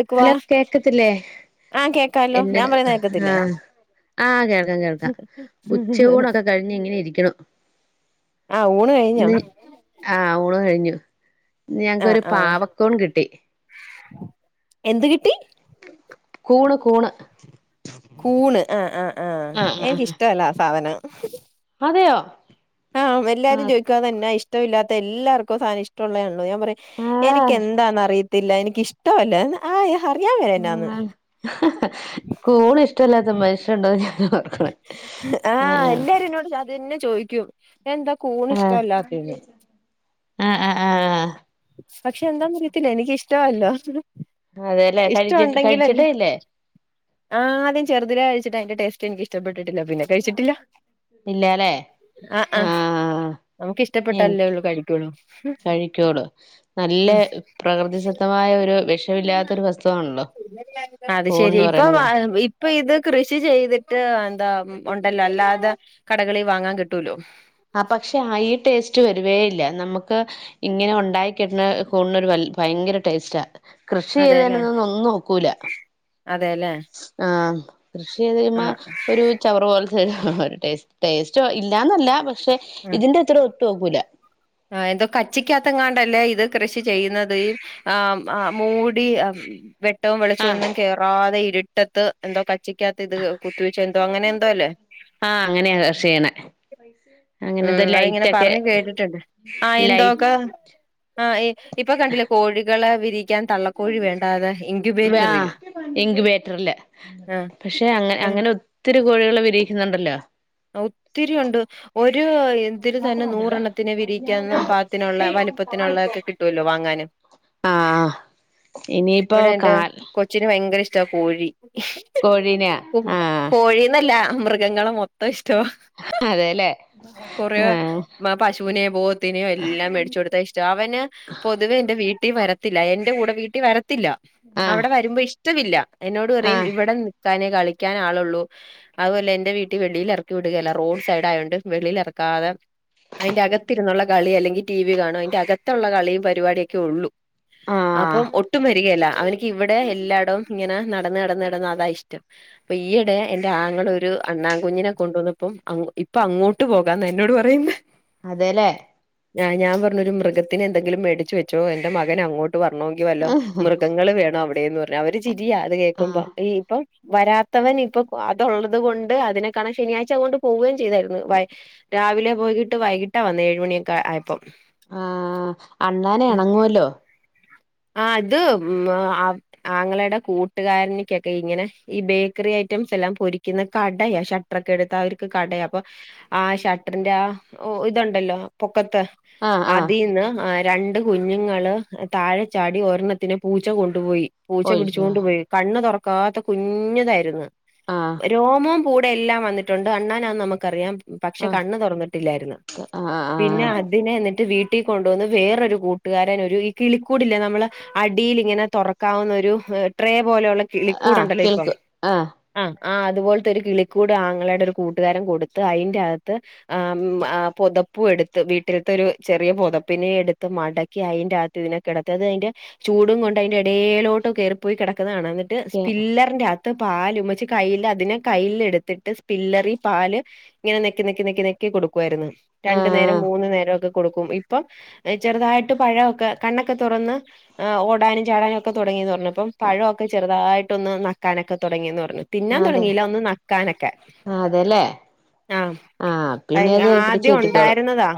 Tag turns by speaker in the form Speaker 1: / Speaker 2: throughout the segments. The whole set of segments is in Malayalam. Speaker 1: കേക്കുവാ
Speaker 2: ഹലോ കേക്കത്തില്ലേ
Speaker 1: ആഹ് കേക്കാലോ ഞാൻ
Speaker 2: എന്നട്
Speaker 1: പറയുന്ന കേക്കത്തില്ലേ
Speaker 2: ആഹ് ആഹ് കേൾക്കാ കേൾക്കാ ഉച്ചയൂണൊക്കെ കഴിഞ്ഞ് ഇങ്ങനെ ഇരിക്ക്ണു.
Speaker 1: ആഹ് ഊണ് കഴിഞ്ഞോ?
Speaker 2: ആഹ് ഊണ് കഴിഞ്ഞു
Speaker 1: ആഹ്
Speaker 2: ഇന്ന്ഞങ്ങക്കൊരു
Speaker 1: ആഹ്
Speaker 2: പാവക്കൂൺ കിട്ടി.
Speaker 1: എന്ത് കിട്ടി?
Speaker 2: കൂണ് കൂണ്.
Speaker 1: കൂണ് ആഹ് ആഹ് ആഹ്
Speaker 2: ആഹ് ആഹ്
Speaker 1: എനിക്കിഷ്ടല്ല ആ സാധനം.
Speaker 2: അതെയോ?
Speaker 1: ആഹ് എല്ലാരും ചോദിക്കക്കും അതെന്നാ ഇഷ്ടമില്ലാത്ത എല്ലാർക്കും സാധനം ഇഷ്ടുള്ളതാണല്ലോ ഞാൻ പറയും എനിക്ക്
Speaker 2: ആഹ്
Speaker 1: എന്താന്ന് അറിയത്തില്ല എനിക്ക് ഇഷ്ടമല്ല ആഹ് അറിയാൻ വയ്യ എന്നാന്ന്
Speaker 2: കൂണ് ഇഷ്ടല്ലാത്ത മനുഷ്യരുണ്ടോ എന്നാ ഞാൻ ഓർക്കണെ ആഹ്
Speaker 1: ഇത് തന്നെ ചോദിക്കും എന്താ കൂൺ
Speaker 2: ആഹ്
Speaker 1: ഇഷ്ടമല്ലാത്തേന്ന്
Speaker 2: ആഹ് ആഹ് ആഹ്
Speaker 1: പക്ഷെ എന്താന്ന് അറിയത്തില്ല എനിക്കിഷ്ടവല്ല
Speaker 2: അതെല്ലേ
Speaker 1: ഇഷ്ടം
Speaker 2: കഴിച്ചിട്ട്
Speaker 1: ഉണ്ടെങ്കിലല്ലേ
Speaker 2: കഴിച്ചിട്ടേ ഇല്ലേ
Speaker 1: ആഹ് ആദ്യം ചെറുതിലെ കഴിച്ചിട്ട് അതിന്റെ ടേസ്റ്റ് എനിക്ക് ഇഷ്ടപ്പെട്ടിട്ടില്ല പിന്നെ കഴിച്ചിട്ടില്ല
Speaker 2: ഇല്ലാല്ലേ
Speaker 1: ആഹ് ആഹ് നമുക്കിഷ്ടപ്പെട്ടാലല്ലേ
Speaker 2: എനിക്ക്
Speaker 1: ഉള്ളു കഴിക്കുള്ളൂ
Speaker 2: കഴിക്കുള്ളൂ നല്ല
Speaker 1: ഉം
Speaker 2: പ്രകൃതിസത്തമായ ഒരു വിഷമില്ലാത്ത ഒരു വസ്തു ആണല്ലോ
Speaker 1: അത്
Speaker 2: കൂൺ
Speaker 1: ശരി ഇപ്പൊ ഇപ്പൊ ഇത് കൃഷി ചെയ്തിട്ട് എന്താ ഉണ്ടല്ലോ അല്ലാതെ കടകളി വാങ്ങാൻ കിട്ടുവല്ലോ
Speaker 2: ആഹ് പക്ഷെ ആ ഈ ടേസ്റ്റ് വരവേ ഇല്ല നമുക്ക് ഇങ്ങനെ ഉണ്ടായി കിട്ടണ കൂണിനൊരു വ ഭയങ്കര ടേസ്റ്റാ കൃഷി ചെയ്തേന് ഒന്നും ഒക്കൂല
Speaker 1: അതേലേ
Speaker 2: ആഹ് കൃഷി ചെയത് ചുമ്മാ ഒരു ചവറ് പോല്ത്തെ ടേസ്റ്റ് ഇല്ലാന്നല്ല പക്ഷെ
Speaker 1: ആഹ്
Speaker 2: ഇതിന്റെ ഇത്ര ഒക്കൂല
Speaker 1: ആഹ് എന്തോ കച്ചിക്കാത്തങ്ങാണ്ടല്ലേ ഇത് കൃഷി ചെയ്യുന്നത് ആഹ് ആഹ് മൂടി അ വെ വെട്ടവും
Speaker 2: ആ
Speaker 1: വെളിച്ചവും ഒന്നും കേറാതെ ഇരുട്ടത്ത് എന്തോ കച്ചിക്കാത്ത് ഇത് കുത്തിവെച്ച് എന്തോ അങ്ങനെ എന്തോ അല്ലേ
Speaker 2: ആഹ് അങ്ങനെയാ കൃഷി ചെയ്യ്ണ അങ്ങനെന്തോ
Speaker 1: ഉം
Speaker 2: ലൈറ്റ്
Speaker 1: അതിങ്ങനെ
Speaker 2: ഒക്കെ
Speaker 1: പറഞ്ഞു കേട്ടിട്ടുണ്ട് ആഹ് എന്തോക്ക് ആഹ് ഇപ്പൊ കണ്ടിലെ കോഴികളെ വിരി
Speaker 2: ആഹ് ഇൻക്യുബേറ്ററ്ല്
Speaker 1: ആ
Speaker 2: പക്ഷെ അങ്ങനെ അങ്ങനെ ഒത്തിരി കോഴികളെ വിരീയ്ക്കുന്നുണ്ടല്ലോ
Speaker 1: ഒത്തിരി ഉണ്ട് ഒര് [unintelligible] ഇതില് തന്നെ നൂറ് എണ്ണത്തിനെ വിരിയിക്കാൻ പാത്തിനുള്ള വലുപ്പത്തിനുള്ള ഒക്കെ കിട്ടൊല്ലോ വാങ്ങാന്
Speaker 2: ആഹ് ഇനിയിപ്പോ
Speaker 1: ഇവിടെ എന്റെ
Speaker 2: കാൽ
Speaker 1: കൊച്ചിന് ഭയങ്കര ഇഷ്ടാ കോഴി
Speaker 2: കോഴീനെ
Speaker 1: കോഴീന്നല്ല മൃഗങ്ങളെ മൊത്തം ഇഷ്ടവാ
Speaker 2: അതെല്ലേ
Speaker 1: കൊറേ
Speaker 2: ആ
Speaker 1: മ പശുവിനെയോ പോത്തിനെയോ എല്ലാം മേടിച്ചു കൊടുത്ത ഇ അവന് പൊതുവേ ഇന്റെ വീട്ടി വരത്തില്ല. എന്റെ കൂടെ വീട്ടി വരത്തില്ല
Speaker 2: ആ
Speaker 1: അവടെ വരുമ്പോ ഇഷ് ഇഷ്ടവില്ല. എന്നോട്
Speaker 2: ആ
Speaker 1: പറയും ഇവടെ നിക്കാനേ കളിക്കാൻ ആളൊള്ളൂ അതുപോലെ എന്റെ വീട്ടി വെളിയിൽ എറക്കി വിടുകേല. റോഡ് സൈഡ് ആയോണ്ട് വെളിയിൽ എറക്കാതെ അയ്ന്റെ അകത്തിരുന്നുള്ള കളി അല്ലെങ്കിൽ ടി വി കാണും. അയ്ന്റെ അകത്തൊള്ള കളിയും പരിപാടി ഒക്കെ ഒള്ളു
Speaker 2: ആ
Speaker 1: അപ്പം ഒ ഇരിക്ക്കേല അവനിക്ക് ഇവടെ എല്ലായിടവും ഇങ്ങനെ നടന്ന് നടന്ന് നടന്ന് അതാ ഇഷ്ടം അപ്പൊ ഈയിടെ എന്റെ ആങ്ങള ഒരു അണ്ണാൻ കുഞ്ഞിനെ കൊണ്ടുവന്നപ്പം അങ്ങോ ഇപ്പൊ അങ്ങോട്ട് ട്ട് പോകാന്നാ എന്നോട് പറയുന്നെ
Speaker 2: അതേലെ
Speaker 1: ആഹ് ഞാൻ പറഞ്ഞൊരു മൃഗത്തിനെ എന്തെങ്കിലും മേടിച്ച് വെച്ചോ എന്റെ മകന് അങ്ങോട്ട് വരണോങ്കിവെ മൃഗങ്ങള് വേണം അവിടേന്ന് പറഞ്ഞ്. അവര് ചിരിയാ അത്
Speaker 2: ആ
Speaker 1: കേക്കുമ്പം ഈ ഇപ്പം വരാത്തവൻ ഇപ്പം അതുള്ളത് കൊണ്ട് അതിനെക്കാണാൻ ശനിയാഴ്ച അത് കൊണ്ട് പോവെയും ചെയ്തായിരുന്നു വൈ രാവിലെ പോയിട്ട് വൈകിട്ടാ വന്നെ ഏഴുമണിയൊക്കെ ആയപ്പം
Speaker 2: ആഹ് അണ്ണാനെ എണങ്ങുവല്ലോ
Speaker 1: ആഹ് ഇത് ആങ്ങളയുടെ കൂട്ടുകാരനെക്കൊക്കെ ഇങ്ങനെ ഈ ബേക്കറി ഐറ്റംസ് എല്ലാം പൊരിക്കുന്ന കടയ റക്കെടുത്ത് അവർക്ക് കടയാ അപ്പൊ ആ ഷട്ടറിന്റെ ആ ഒര് ഇതുണ്ടല്ലോ പൊക്കത്ത്
Speaker 2: ആ ആ
Speaker 1: അതീന്ന് രണ്ട് കുഞ്ഞുങ്ങള് താഴെ ചാടി ഒരണത്തിനെ പൂച്ച കൊണ്ടുപോയി പൂച്ച
Speaker 2: ഒയ്യോ
Speaker 1: പിടിച്ചോണ്ട് പോയി.. കണ്ണ് തൊറക്കാത്ത കുഞ്ഞുതായിരുന്നു
Speaker 2: ആ
Speaker 1: രോമം. പൂടെ എല്ലാം വന്നിട്ടുണ്ട് അണ്ണാനന്ന് നമുക്കറിയാം. പക്ഷെ
Speaker 2: ആ
Speaker 1: കണ്ണ് തൊറന്നിട്ടില്ലായിര്ന്നു.
Speaker 2: ആ ആ
Speaker 1: പിന്നെ അതിനെ എന്നിട്ട് വീ.. ട്ടീ കൊണ്ടുവന്ന് വേറൊരു കൂട്ടുകാരൻ ഒരു ഈ കിളി കു. കൂടില്ലെ നമ്മളെ അടിൽ ഇങ്ങനെ തൊറക്കാവുന്ന ഒരു ട്രേ പോലെയുള്ള..
Speaker 2: ആ
Speaker 1: കിളിക്കൂട് ഉണ്ടല്ലോ ഇപ്പം..
Speaker 2: കേൾക്കും ആ
Speaker 1: ആഹ് അതുപോല്ത്തെ ഒരു കിളിക്കൂട് ആങ്ങളയുടെ ഒരു കൂട്ടുകാരൻ കൊടുത്ത് അയ്ന്റെകത്ത്.. ആഹ് പൊതപ്പു എടുത്ത് വീട്ടിൽത്തെ ഒരു ചെറീയ പൊതപ്പിനെ എടുത്ത് മടക്കി അയ്ന്റ അത്ത് ഇതിനെ. കെടത്ത ഇന്നട്ട് അയ്ന്റെ ചൂടും കൊണ്ട് അയ്ന്റെ എടേലോട്ട് കേറിപ്പോയി കെടക്കുന്നത് കാണാം എന്നിട്ട്
Speaker 2: കേ
Speaker 1: സ്പ്പില്ലർ.. കത്ത് പാലും ഉമച്ച് കയ്യിൽ അതിനെ കൈൽ എടുത്തിട്ട് സ്പില്ലറി പാല്. ഇങ്ങനെ നെക്കി നെക്കി നെക്കി നെ.. കൊടുക്കുമായിരുന്നു
Speaker 2: ആ
Speaker 1: രണ്ടു നേരം മൂന്നു നേരം ഒക്കെ കൊടുക്കും ഇപ്പം ചെറുതായിട്ട് പഴമൊക്കെ.. കണ്ണൊക്കെ തുറന്ന് ഓടാനും ചാടാനും ഒക്കെ തുടങ്ങി തുറന്ന്പ്പം പഴമൊക്കെ ചെറുതായിട്ട്.. ഒന്ന് നക്കാനൊക്കെ തുടങ്ങിന്ന് പറഞ്ഞു തിന്നാൻ
Speaker 2: അതെ
Speaker 1: തുടങ്ങില്ല ഒന്ന് നക്കാനൊക്കെ..
Speaker 2: അതെല്ലേ
Speaker 1: ആഹ
Speaker 2: ആ പിന്നെ അത് പിടിച്ച്
Speaker 1: ആദ്യം
Speaker 2: കിട്ടിക്കോളും
Speaker 1: ഉണ്ടായിരുന്നതാ..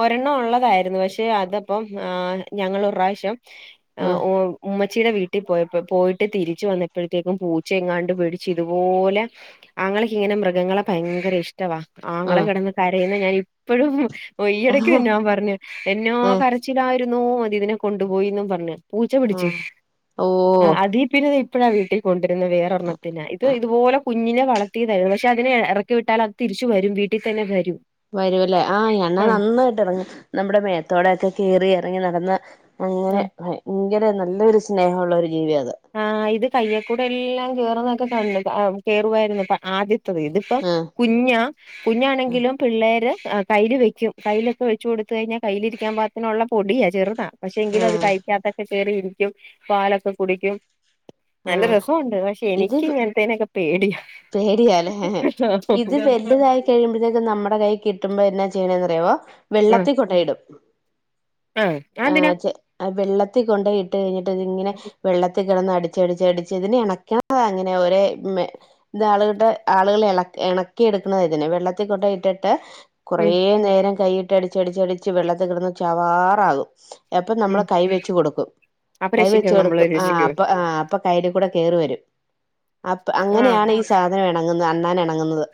Speaker 1: ഒരെണ്ണം ഉള്ളതായിരുന്നു പക്ഷെ അതപ്പം ആഹ ഞങ്ങൾ ഒരു പ്രാവശ്യം.. ആഹ
Speaker 2: ആഹ്
Speaker 1: ഓ ഉമ്മച്ചിയുടെ വീ.. ട്ടി പോയപ്പോ പോയിട്ട് തിരിച്ചു വന്നപ്പോഴത്തേക്കും പൂച്ചെങ്ങാണ്ട് പേടിച്ചു ഇതുപോലെ.. ആങ്ങളക് ഇങ്ങനെ മൃഗങ്ങളെ ഭയങ്കര ഇഷ്ടവാ ആങ്ങളെ
Speaker 2: ആഹ്
Speaker 1: കിടന്ന് കരയുന്ന ഞാൻ ഇപ്പോഴും.. ഓ
Speaker 2: ആഹ്
Speaker 1: ഈയിടയ്ക്കും ഞാൻ പറഞ് എന്നോ
Speaker 2: ആഹ്
Speaker 1: കരച്ചിലായിരുന്നോ അത് ഇതിനെ കൊണ്ടുപോയിന് പറഞ്ഞ്.. പൂച്ച പിടിച്ച്
Speaker 2: ആഹ് ഓ
Speaker 1: ആഹ് അതി. പിന്നെ ഇത് ഇപ്പളാ വീട്ടി കൊണ്ട് വരുന്ന വേറെ ഒരെണ്ണത്തിനാ ഇത് ഇതുപോലെ കുഞ്ഞിനെ വളർത്തിയതായിരുന്നു. ക്ഷെ അതിനെ എറക്കി വിട്ടാൽ അത്. തിരിച്ച് വെരും വീട്ടി തന്നെ വരും..
Speaker 2: വരുല്ലേ ആഹ അണ്ണാൻ
Speaker 1: ആഹ്
Speaker 2: നന്നായിട്ട് ഇണങ്ങും നമ്മുടെ മേ.. മെത്തോടെക്കെ കെറി ഇറങ്ങി നടന്ന് അങ്ങനെ ഇങ്ങനെ നല്ലൊരു സ്നേഹമള്ള ഒരു ജീവിയ അത്
Speaker 1: ആഹ ഇത് കയ്യൽക്കൂടെ എല്ലാം കെറുന്നെക്കെ കണ്ട് കെറുമായിരുന്നു അപ്പ ആദ്യത്തത് ഇത്.. ഇപ്പം
Speaker 2: ആഹ്
Speaker 1: കുഞ്ഞാ.. കുഞ്ഞാണെങ്കിലും പിള്ളേര് കയ്യില് വെക്കും കയ്യിലൊക്കെ വെച്ച് കൊടുത്ത് കഴിഞ്ഞാൽ കയ്യിലിരിക്കാൻ പാ.. നുള്ള പൊടിയാ ചെറുതാ പക്ഷെ എങ്കിലും അത്
Speaker 2: ആഹ്
Speaker 1: കൈക്കാത്തൊക്കെ കറി ഇരിക്കും. പാലൊക്കെ കുടിക്കും നല്ല
Speaker 2: ആഹ്
Speaker 1: രസമുണ്ട് പക്ഷെ എനിക്ക് ഇങ്ങനത്തേനൊക്കെ പേടിയ..
Speaker 2: പേടിയല്ലേ ഇത് വലുതായി.. കൊറച്ചു കഴിയുമ്പോഴത്തേക്കും നമ്മുടെ കൈ കിട്ടുമ്പോ എന്നാ ചെയ്യണന്ന്റിയോ
Speaker 1: ആഹ്
Speaker 2: വെള്ളത്തിൽ കൊണ്ടയിടും..
Speaker 1: ആഹ്
Speaker 2: ആ
Speaker 1: അതെന്തിനാ
Speaker 2: ചെ വെള്ളത്തിൽ കൊണ്ടയിട്ട് കഴിഞ്ഞിട്ട് അതിഇങ്ങനെ വെള്ളത്തിൽ.. കിടന്ന് അടിച്ചടിച്ച് അടിച്ച് ഇതിന് ഇണക്കണ അങ്ങനെ ഒരേ.. ഇതാ ആളുകളുടെ ആളുകൾ ഇ ഇണക്കി എടുക്കുന്നതാ ഇതിനെ വെള്ളത്തിൽ കൊട്ടെ ഇട്ടിട്ട്.. കുറേ
Speaker 1: ഉം
Speaker 2: നേരം കൈയിട്ട് അടിച്ചടിച്ചടിച്ച് വെള്ളത്തി കിടന്ന് ചവാറാകും.. അപ്പൊ
Speaker 1: ഉം
Speaker 2: നമ്മള് കൈ വെച്ച് കൊടുക്കും
Speaker 1: അപ്പൊ
Speaker 2: കൈ വെച്ച്
Speaker 1: രക്ഷിക്കും നമ്മള്
Speaker 2: കൊടുക്കും ആഹ
Speaker 1: രക്ഷിക്കോ
Speaker 2: അപ്പ ആ.. അപ്പ കയ്യില കൂടെ കയറി വരും അപ്പ
Speaker 1: ആഹ്
Speaker 2: അങ്ങനെയാണ് ഈ സാധനം ഇണങ്ങുന്നത് അണ്ണാൻ ഇണങ്ങുന്നത്..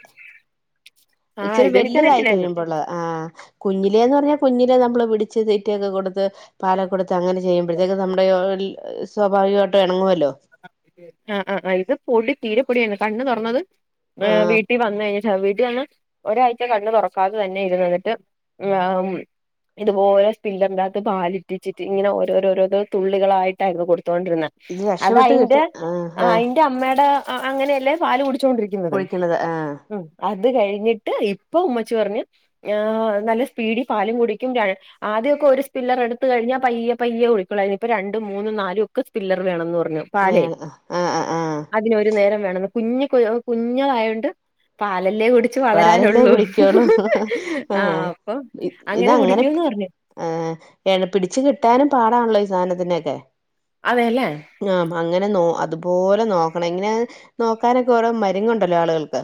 Speaker 1: ആഹ്
Speaker 2: ഇച്ചിരി വല്ല്തായി
Speaker 1: ഇതെനിക്കറിയത്തില്ലായിരുന്നു
Speaker 2: കഴിയുമ്പോള്ളത് ആഹ.. കുഞ്ഞിലേന്ന് പറഞ്ഞാൽ കുഞ്ഞിലെ നമ്മള് പിടിച്ച് തീറ്റയൊക്കെ കൊടുത്ത്.. പാലക്കെ കെടുത്ത് അങ്ങനെ ചെയ്യുമ്പോഴത്തേക്ക് നമ്മുടെ ഓള് സ്വാഭാവികമായിട്ടും ഇണങ്ങുമല്ലോ..
Speaker 1: ആഹ ആഹ ഇത് പൊടി തീരെപ്പൊടിയാണ് കണ്ണ് തുറന്നത്
Speaker 2: ആഹ്
Speaker 1: വീട്ടിൽ.. ട്ടിൽ വന് കഴിഞ്ഞിട്ടാ വിട്ടിൽ വന്ന് ഒരാഴ്ച കണ്ണ് തുറക്കാതെ തന്നെ ഇരുന്ന എന്നിട്ട്.. ഇത്പോലെ സ്പില്ലർ നാകത്ത് പാൽ ഇറ്റിച്ച് ങ്ങനെ ഓരോരോരോരോ തുള്ളികളയിട്ടായിരുന്നു കൊടുത്തോണ്ടിരുന്നത്..
Speaker 2: ഇത് രക്ഷപ്പെട്ട് കിട്ട് ആഹ ആഹ..
Speaker 1: അയ്ന്റെ അമ്മടെ അങ്ങനെയല്ലേ പാല് കുടിച്ചോണ്ടിരിക്കുന്നത്
Speaker 2: കുളിക്കണത് ആഹ്
Speaker 1: ഉം.. അത് കഴിഞ്ഞിട്ട് ഇപ്പൊ ഉമ്മച്ചി പറഞ്ഞു നല്ല സ്പീഡിൽ പാലും കുടിക്കും.. ആദ്യമൊക്കെ ഒരു സ്പില്ലർ എടുത് കഴിഞ്ഞാൽ പയ്യ പയ്യെ കുടി കൊള്ളൂയ് രുന്ന് ഇപ്പോ രണ്ടും മൂന്നും നാലും ഒക്കെ സ്പില്ലർ വേണം എന്ന.. മിൽമാ പാലേ..
Speaker 2: വേണം ആഹ് ആഹ് ആഹ്
Speaker 1: അതിനൊരു നേരം വേണം കുഞ്ഞ്ക്ക് കുഞ്ഞതായൊണ്ട് പാലല്ലേ കുടിക്ക ച്ച്
Speaker 2: പാലല്ലേ
Speaker 1: വളരാനുള്ളൂ
Speaker 2: കുടിക്കുള്ളൂ
Speaker 1: ആഹ് അപ്പൊ അങ്ങനെ കുടിക്കുംന്ന് പർഞ്ഞു
Speaker 2: ഏഹ് പിടിച്ച് കിട്ടാനും പാടാണല്ലോ ഈ സാനത്തിനൊക്കെ
Speaker 1: അതെല്ലേ
Speaker 2: ആഹ അങ്ങനെ നോ അതുപോലെ നോക്കണിങ്ങനെ നോക്കാനൊക്കെ ഓരോ മരുങ്ങണ്ടല്ലോ ആളുകൾക്ക്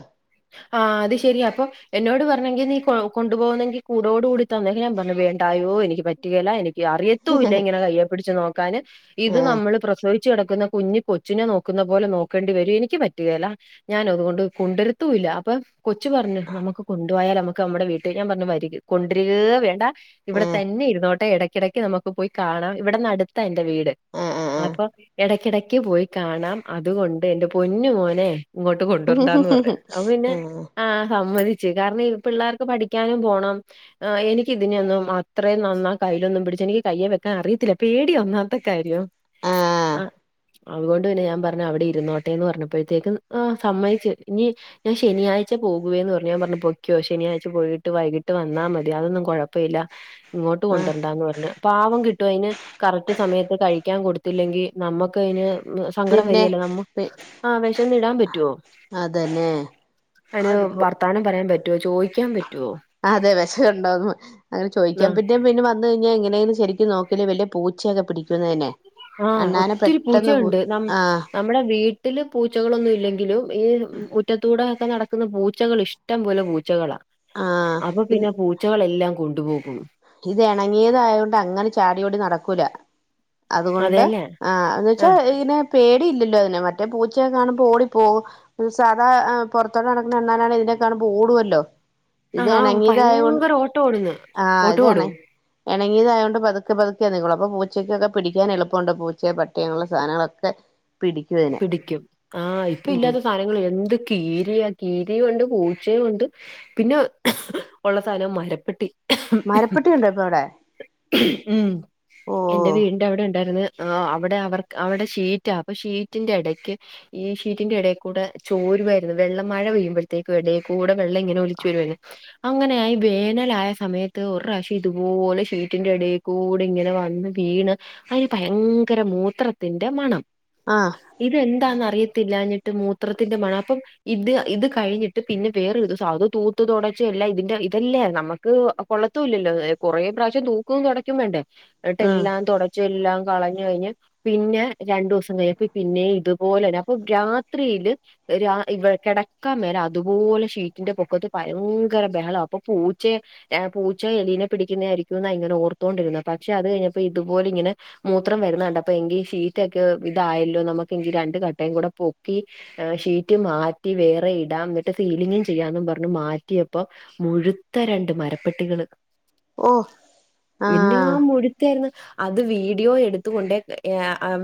Speaker 1: ആഹ് അത് ശരിയാപ്പൊ എന്നോട് പറഞ്ഞെങ്കി നീ കൊണ്ടു പോകുന്നെങ്കി കൂടോട് കൂടി തന്നേ ഞാൻ പറഞ്ഞു വേണ്ടായോ എനിക്ക് പറ്റുകേല്ല എനിക്ക് അറിയത്തൂ ല്ല ഇങ്ങനെ കയ്യെ പിടിച്ച് നോക്കാന് ഇത്
Speaker 2: ആഹ്
Speaker 1: നമ്മള് പ്രസവി- ച്ച് കിടക്കുന്ന കുഞ്ഞി കൊച്ചിനെ നോക്കുന്ന പോലെ നോക്കേണ്ടി വരും എനിക്ക് പറ്റുകേല്ല ഞാൻ അതുകൊണ്ട് കൊണ്ട്രത്തു- ത്തൂല്ല അപ്പൊ കൊച്ചു പറഞ്ഞു നമ്മുക്ക് കൊണ്ടു പോയാലോ നമുക്ക് നമ്മുടെ വീട്ടിൽ ഞാൻ പറഞ്ഞു വരിക കൊണ്ട്രികേ വേണ്ട ഇവിടെ
Speaker 2: ആഹ്
Speaker 1: തന്നെ ഇരുന്നോട്ടെ എടയ്ക്കിടയ്ക്ക് നമുക്ക് പോയി കാണാം ഇവിടന്ന്ടുത്ത് അടുത്തായിട്ട വീട്
Speaker 2: ആഹ് ആഹ് ആഹ്
Speaker 1: അപ്പൊ എടക്കെടക്ക് പോയി കാണാം അതുകൊണ്ട് എന്റെ പൊന്നു മോനെ ഇങ്ങോട്ട്
Speaker 2: ആഹ്
Speaker 1: കൊണ്ട്രണ്ടാന്ന് പറഞ്ഞ് അപ്പ പിന്നെ ആഹ സമ്മതിച്ചു കാരണം ഈ പിള്ളേർക്ക് പഠിക്കാനും പോണം ആ എനിക്കിതിനൊന്നും അത്രയും നന്ന കയ്യിലൊന്നും പിടിച്ച് എനിക്ക് കയ്യെ വെക്കാൻ അറിയത്തില്ല പേടി ഒന്നാമത്തെ കാര്യം
Speaker 2: ആഹ്
Speaker 1: അഹ് അതുകൊണ്ട് പിന്നെ ഞാൻ പറഞ്ഞു അവിടെ ഇരുന്നോട്ടേന്ന് പർഞ്ഞപ്പോഴത്തേക്ക് ആഹ് സമ്മയ്ച്ച് ഇനി ഞാൻ ശനിയാഴ്ച പോവുകേന്ന് പർഞ്ഞു ഞാ പർഞ്ഞ് പൊക്കോ ശനിയാഴ്ച പോയിട്ട് വൈകിട്ട് വന്നാ മതി അതൊന്നും കൊഴ ചെയ്ല്ല ഇങ്ങോട്ട്
Speaker 2: ആഹ്
Speaker 1: കൊണ്ട്രണ്ടാന്ന് പറഞ്ഞ് പാവം കിട്ടും അയ്ന് കറക്റ്റ് സമയത്ത് കഴിക്കാൻ കൊടുത്തില്ലെങ്കിൽ നമുക്കയ്ന് സങ്കടം
Speaker 2: പിന്നെ
Speaker 1: വരേല്ലേ നമ്മക്ക്
Speaker 2: പി
Speaker 1: ആഹ് വിശന്ന്ടാൻ പറ്റുവോ
Speaker 2: അതന്നെ
Speaker 1: അയ്ന്
Speaker 2: അതിപ്പോ
Speaker 1: വർത്താനം പറയാൻ പറ്റുവോ ചോയി
Speaker 2: അതെ വിശയുണ്ടോന്ന് അങ്ങനെ
Speaker 1: ആ
Speaker 2: ചോയ്ക്കാൻ പറ്റിയ പിന്നെ വന്നഴിഞ്ഞാ എങ്ങനെലും ശരിക്കും നോക്കല് വല്ല പൂച്ചയൊക്കെ പിടിക്കുന്നന്നെ
Speaker 1: ആഹ് ഒത്തിരി പൂച്ചയുണ്ട് നമ-
Speaker 2: ആഹ്
Speaker 1: വിടെ വീട്ടില് പൂച്ചകളൊന്നും ഇല്ലെങ്കിലും ഈ മുറ്റത്തൂടെ ഒക്കെ നടക്കുന്ന പൂച്ചകൾ ഇഷ്ട ടം പോലെ പൂച്ചകളാ
Speaker 2: ആഹ്
Speaker 1: അപ്പൊ പിന്നെ പൂച്ചകളെല്ലാം കൊണ്ടുപോകും
Speaker 2: ഇതെണങ്ങിയതായോണ്ട് അങ്ങനെ ചാടിയോടി നടക്കൂല അതുകൊണ്ട്
Speaker 1: അതെല്ലേ
Speaker 2: ആഹ് എന്ന് വെച്ചാ
Speaker 1: ആഹ്
Speaker 2: ഇയ്നെ പേടിയില്ലല്ലോ അതിന് മറ്റേ പൂച്ചയെ കാണുമ്പോ ഓടിപ്പോകും സാധാ പൊറത്തോട്ടടക്ക്ണ അണ്ണാ നാണേ ഇതിനെക്കാണ്മ്പോ ഓടുവല്ലോ ഇത്
Speaker 1: ആ
Speaker 2: ഇണങ്ങിയതായോണ്ട്
Speaker 1: ഭയങ്കര ഓട്ടോടുന്നേ ഓട്ടോടും
Speaker 2: എണങ്ങിതായോണ്ട് പതുക്ക പതുക്കെ നീങ്ങൊള്ളു അപ്പ പൂച്ചക്കൊക്കെ പിടിക്കൻ എളുപ്പണ്ട് പൂച്ച പട്ടിന്നുള്ള സാനങ്ങളൊക്കെ എ
Speaker 1: പിടിക്കും ആ
Speaker 2: ഉം
Speaker 1: ഇപ്പെല്ല്യാത്ത സാനങ്ങളെന്തെക്ക കീരിയാ കീരിയുണ്ട് പൂച്ചയുംണ്ട് പിന്നെ ഉള്ള സാനാ മരപ്പെട്ടി
Speaker 2: മരപ്പട്ടിണ്ടോപ്പവിടെ
Speaker 1: ഉം എന്റെ വീടിന്റെറെ അവിടെ ഉണ്ടായിരുന്നു അവിടെ അവർക്ക് അവിടെ ഷീറ്റാ അപ്പൊ ഷീറ്റിന്റെ ഇ എടയ്ക്ക് ഈ ഷീറ്റിന്റെ എടേകൂടെ ചോരുവായിരുന്നു വെള്ളം മഴ പെയ്യുമ്പോഴത്തേക്കും എടേകൂടെ വെള്ളം ഇങ്ങനെ ഒലിച്ച് വരുവാർന്നു അങ്ങനെയായി വേനലായ സമയത്ത് ഒരുറാശ്യം ഇതുപോലെ ഷീറ്റിന്റെ എടേ കൂടെങ്ങനെ വന്ന് വീണ് അതിന് ഭയങ്കര മൂത്രത്തിൻ്റെ മണം
Speaker 2: ആഹ്
Speaker 1: ഇതെന്താന്നറിയത്തില്ലാഞ്ഞിട്ട് മൂത്രത്തിന്റെ മണം അപ്പം ഇത് ഇത് കഴിഞ്ഞിട്ട് പിന്നെ വേറൊരുസം അത് തൂത്ത് തെടച്ച് എല്ലാം ഇതിന്റെ ഇതല്ലേ നമക്ക് ക്ക് കൊള്ളത്തൂല്ലല്ലോ കുറേ പ്രാവശ്യം തൂക്കും തെടക്കും വേണ്ടേ
Speaker 2: ഉം
Speaker 1: ന്നിട്ടെല്ലാം തുടച്ച എല്ലാം കളഞ്ഞു കഴിഞ്ഞ് പിന്നെ രണ്ടൂസം കഴിഞ്ഞ പിന്നേം ഇതുപോലെന്നെ അപ്പൊ രാത്രിയില് ഇവി കിടക്കാൻ മേല അതുപോലെ ഷീറ്റിന്റെ പൊക്കത്ത് ഭയങ്കര ബഹളം അപ്പൊ പൂച്ചെ പൂച്ചോ എലീനെ പിടിക്കുന്നതായിരിക്കന്ന് അ ഇങ്ങനെ ഓർത്തോണ്ടിരുന്ന പക്ഷെ അത് കഴിഞ്ഞപ്പോ ഇതുപല ഇങ്ങനെ മൂത്രം വരുന്നുണ്ട് കണ്ടപ്പോ എങ്കി ഷീറ്റൊക്കെ ഇതായല്ലോ നമുക്കെങ്കിരണ്ട കട്ടയും കൂടെ പൊക്കി ഷീറ്റ് മാറ്റി വേറെ ഇടാം എന്നിട്ട് സീലിങ്ങും ചെയ്യാന് പറഞ്ഞു മാറ്റിയപ്പോ മുഴുത്ത രണ്ട് മരപ്പട്ടികള്
Speaker 2: ഓ
Speaker 1: പിന്നെ ആ
Speaker 2: ആഹ്
Speaker 1: മുഴു അത് വീഡിയോ എടുത്തൊണ്ട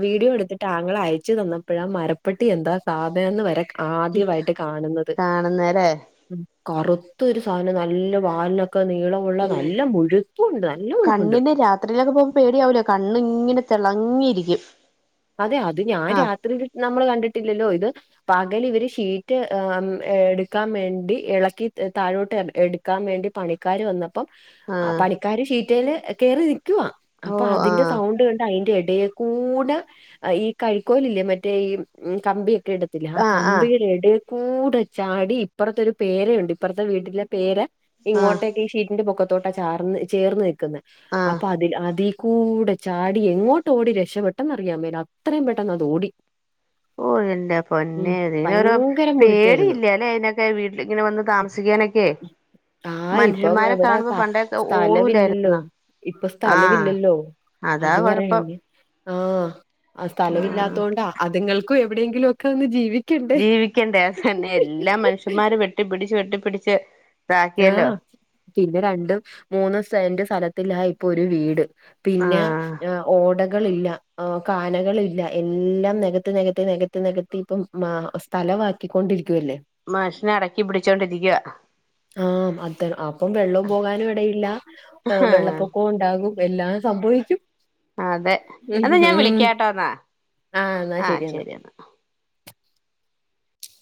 Speaker 1: വീഡിയോ എടുത്തിട്ടാണ് ഞങ്ങൾ അയച്ചു തന്നപ്പോഴ മരപ്പെട്ടി എന്താ [unintelligible] ആദ്യവായിട്ട് കാണുന്നത്
Speaker 2: കാണുന്നല്ലേ
Speaker 1: ഉ കറുത്ത ഒരു സാധനം നല്ല വാലിനൊക്കെ നീളമുള്ള
Speaker 2: ഉം
Speaker 1: നല്ല മുഴുപ്പുണ്ട് നല്ല മുഴുപ്പുണ്ട്
Speaker 2: അത്രയിലൊക്കെ പോകുമ്പോ പേടിയാവൂലോ കണ്ണു ഇങ്ങനെ തിളങ്ങിയിരിക്കും
Speaker 1: അതെ അത് ഞാൻ
Speaker 2: ആഹ്
Speaker 1: രാത്രി നമ്മൾ കണ്ടിട്ടില്ലല്ലോ ഇത് പകൽ ഇവര് ഷീറ്റ് എടുക്കാൻ വേണ്ടി ഇളക്കി താഴോട്ട് എ ക്കാൻ വേണ്ടി പണിക്കാര് വന്ന പ്പ
Speaker 2: ആഹ്
Speaker 1: പണിക്കര് ഷീട്ടെല് കേറി നിൽക്കവാ
Speaker 2: ഓ
Speaker 1: അപ്പൊ അതിന്റെ
Speaker 2: ആഹ്
Speaker 1: സൗണ്ട് കേട്ട് അതിൻ്റെ എടെ കൂട ഈ കഴിക്കോല് ഇല്ലേ മറ്റേ ഈ കമ്പിയൊക്കെ ഇടത്തില്ലേ ആഹ് കമ്പിയുടെ ഇടെ കൂ കൂടെ ചാടി ഇപ്പറത്തെ ഒരു പേരയുണ്ട് ഇപ്പറത്തെ വീട്ടിലെ പേര
Speaker 2: ആഹ്
Speaker 1: ഇങ്ങോട്ടേക്ക് ഈ ഷീറ്റിന്റെ പൊക്കത്തോട്ടാ ചാർന്ന് ചേർന്ന് നിക്കുന്നത്
Speaker 2: ആഹ്
Speaker 1: അപ്പൊ അതിൽ കൂ കൂടെ ചാടി എങ്ങോട്ട് ഓടി രക്ഷപെട്ടെന്ന് അറിയാൻ മേല അത്രയും പെട്ടെന്ന് അത് ഓടി
Speaker 2: [unintelligible] ഓഹ് എന്റെ
Speaker 1: ഉം
Speaker 2: പൊന്നെ ഇതിനൊരു
Speaker 1: ഭയങ്കര മുഴുത്തായിരുന്നു
Speaker 2: പേടിയില്ല അല്ലേ അതിനൊക്കെ വീട്ടിൽ ഇങ്ങനെ വന്ന് താമസിക്കാനൊക്കെ ക്കെ
Speaker 1: ആഹ് ഇപ്പം
Speaker 2: മനുഷ്യന്മാരെ
Speaker 1: എവിടെ
Speaker 2: കാണുമ്പോ
Speaker 1: സ്ഥ-
Speaker 2: പണ്ടേ
Speaker 1: സ്ഥലമില്ലല്ലോ
Speaker 2: ഓടൂലായിരുന്നോ
Speaker 1: ഇപ്പൊ
Speaker 2: ആഹ്
Speaker 1: സ്ഥലമില്ലല്ലോ
Speaker 2: അതാ കൊഴപ്പം
Speaker 1: ആഹ് ആഹ്
Speaker 2: ഉം
Speaker 1: സ്ഥലമില്ലാത്തത് കൊണ്ടാ അതുങ്ങൾക്കും എവിടെയെങ്കിലും ഒക്കെ ഒന്ന് ജീവി
Speaker 2: ജീവിക്കണ്ടേ അത് തന്നെ എല്ലാ മനുഷ്യന്മാര് വെട്ടി പിടിച്ച് വെട്ടിപ്പിടിച്ച് ഇതാക്കിയല്ലോ
Speaker 1: ആഹ് പിന്നെ രണ്ടും മൂന്നും സെന്റ് സ്ഥലത്തിലാ ഇപ്പൊ ഒരു വീട് പിന്നെ
Speaker 2: ആഹ്
Speaker 1: ഓടകളില്ല ആഹ് കാനകളില്ല എല്ലാം നികത്തി നികത്തി നികത്തി നികത്തി ഇപ്പം മാ സ്ഥലമാക്കിക്കൊണ്ടിരിക്കല്ലേ
Speaker 2: മനുഷ്യനെ അടക്കി പിടിച്ചോണ്ടിരിക്കുവാ
Speaker 1: ആഹ് അതെ അപ്പം വെള്ളം പോകാനും ഇടയില്ല വെള്ളപ്പൊക്കവും ഉണ്ടാകും എല്ലാം സംഭവിക്കും
Speaker 2: അതെ എന്നാ
Speaker 1: ഉംഹ്
Speaker 2: ഞാൻ വിളിക്കാട്ടോ എന്നാ
Speaker 1: ആഹ് എന്നാ ശെരിയെന്നാ
Speaker 2: ശരി എന്നാ